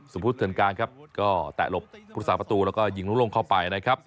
พุทธเถินการครับก็แตะหลบพุทธศาสประตูแล้วก็ยิงลูกลงเข้าไปนะครับ